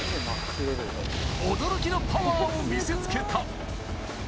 驚きのパワーを見せつけた。